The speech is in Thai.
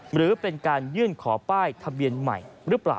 หรือเป็นการยื่นขอป้ายทะเบียนใหม่หรือเปล่า